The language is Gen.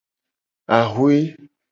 Axwe.